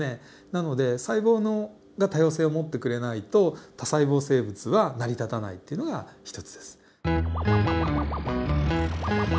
なので細胞が多様性を持ってくれないと多細胞生物は成り立たないっていうのが一つです。